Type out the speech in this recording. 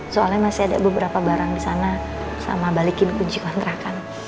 soalnya masih ada beberapa barang di sana sama balikin kunci kontrakan